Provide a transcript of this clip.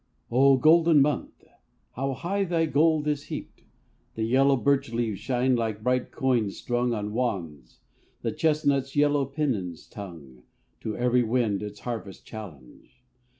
O golden month! How high thy gold is heaped! The yellow birch leaves shine like bright coins strung On wands; the chestnut's yellow pennons tongue To every wind its harvest challenge.